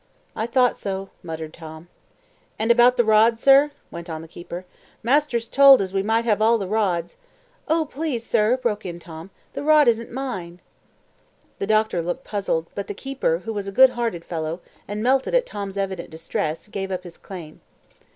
"I thought so," muttered Tom. "And about the rod, sir?" went on the keeper. "Master's told we as we might have all the rods " "Oh, please, sir," broke in Tom, "the rod isn't mine." The Doctor looked puzzled, but the keeper, who was a good hearted fellow, and melted at Tom's evident distress, gave up his claim.